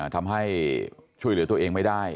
ทำให้ช่วยเหลือตัวเองไม่ได้